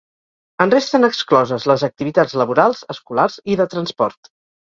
En resten excloses les activitats laborals, escolars i de transport.